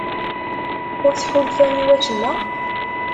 Ur tḥulfam i wacemma?